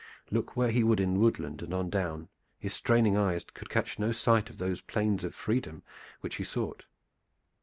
Look where he would in woodland and on down, his straining eyes could catch no sign of those plains of freedom which he sought.